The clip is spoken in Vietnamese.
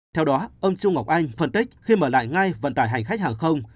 theo đó ông trung ngọc anh phân tích khi mở lại ngay vận tải hành khách hàng không